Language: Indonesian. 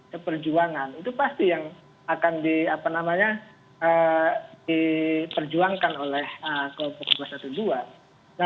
keperjuangan itu pasti yang akan diperjuangkan oleh kelompok dua ratus dua belas